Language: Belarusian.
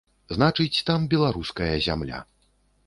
Значыць, там беларуская зямля.